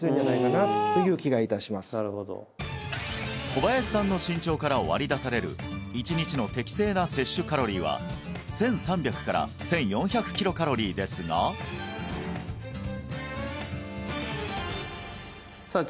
小林さんの身長から割り出される１日の適正な摂取カロリーは１３００から１４００キロカロリーですがさあ